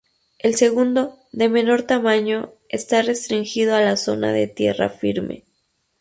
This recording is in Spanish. El segundo, de menor tamaño, está restringido a la zona de tierra firme.